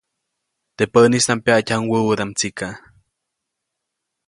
Teʼ päʼnistaʼm pyaʼtyajuʼuŋ wäwädaʼm tsika.